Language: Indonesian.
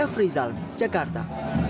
f rizal jakarta